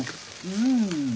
うん！